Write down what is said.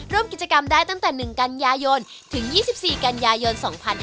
ร่วมกิจกรรมได้ตั้งแต่๑กันยายนถึง๒๔กันยายน๒๕๕๙